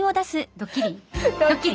ドッキリ？